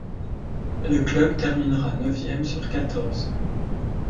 Le club terminera neuvième sur quatorze.